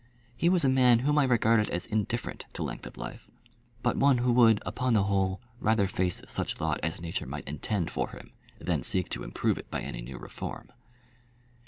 He was a man whom I regarded as indifferent to length of life, but one who would, upon the whole, rather face such lot as Nature might intend for him, than seek to improve it by any new reform.